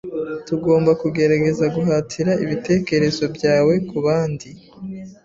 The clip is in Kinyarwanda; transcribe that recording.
Ntugomba kugerageza guhatira ibitekerezo byawe kubandi.